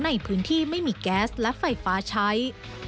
ในพื้นที่ไม่มีแก๊สและไฟฟ้าใช้